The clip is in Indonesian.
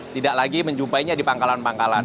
tidak lagi menjumpainya di pangkalan pangkalan